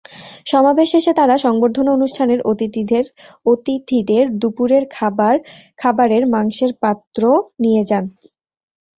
সমাবেশ শেষে তাঁরা সংবর্ধনা অনুষ্ঠানের অতিথিদের দুপুরের খাবারের মাংসের পাত্র নিয়ে যান।